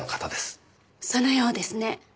そのようですね。